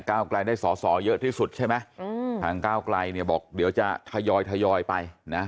ไกลได้สอสอเยอะที่สุดใช่ไหมทางก้าวไกลเนี่ยบอกเดี๋ยวจะทยอยทยอยไปนะ